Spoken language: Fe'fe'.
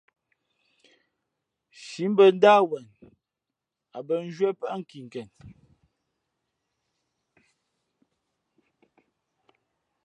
Nshi sǐʼ bᾱ ndáh wen, a bᾱ nzhwié pάʼ nkinken.